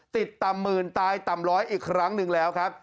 ต่ำหมื่นตายต่ำร้อยอีกครั้งหนึ่งแล้วครับ